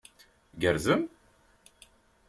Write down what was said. Tgerrzem?